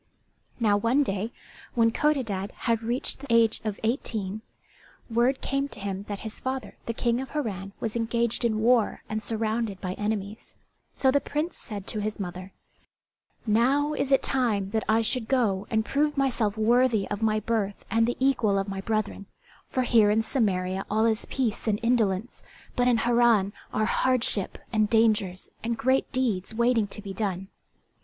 Now one day, when Codadad had reached the age of eighteen, word came to him that his father the King of Harran was engaged in war and surrounded by enemies; so the Prince said to his mother, "Now is it time that I should go and prove myself worthy of my birth and the equal of my brethren; for here in Samaria all is peace and indolence, but in Harran are hardship and dangers, and great deeds waiting to be done."